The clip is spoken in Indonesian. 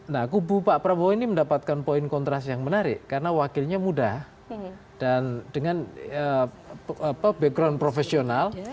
nah kubu pak prabowo ini mendapatkan poin kontras yang menarik karena wakilnya muda dan dengan background profesional